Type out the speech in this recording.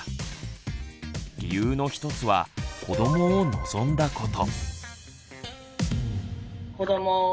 理由の一つは子どもを望んだこと。